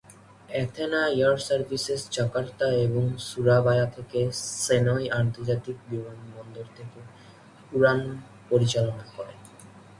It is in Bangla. এথেনা এয়ার সার্ভিসেস জাকার্তা এবং সুরাবায়া থেকে সেনই আন্তর্জাতিক বিমানবন্দর থেকে উড়ান পরিচালনা করে।